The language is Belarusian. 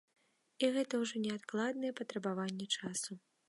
І гэта ўжо неадкладнае патрабаванне часу.